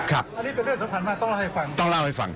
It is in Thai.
อันนี้เป็นเรื่องสำคัญมากต้องเล่าให้ฟังต้องเล่าให้ฟัง